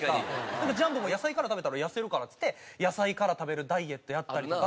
ジャンボも「野菜から食べたら痩せるから」っつって野菜から食べるダイエットやったりとか。